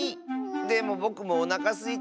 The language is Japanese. でもぼくもおなかすいた。